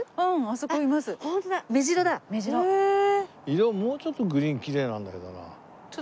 色もうちょっとグリーンきれいなんだけどな。